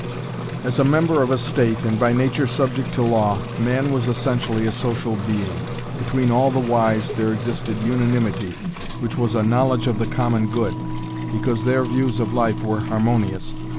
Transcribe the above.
As a member of a state and by nature subject to law, man was essentially a social being. Between all the wise there existed "unanimity," which was "a knowledge of the common good," because their views of life were harmonious.